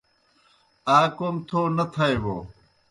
آ کوْم تھو نہ تھائے بوْ